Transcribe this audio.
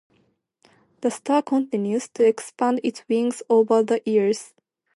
"The Star" continues to expand its wings over the years.